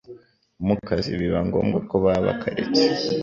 mu kazi, biba ngombwa ko baba bakaretse